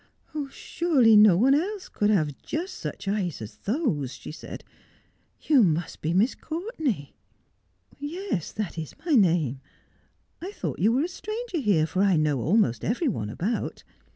' Surely no one else could have just such eyes as those,' she said. ' You must be Miss Courtenay.' ' Yes, that is my name. I thought you were a stranger here, for I know almost every one about.